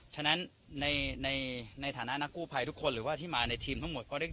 ฉะนั้นในฐานะนักกู้ภัยทุกคนหรือว่าที่มาในทีมทั้งหมดก็ได้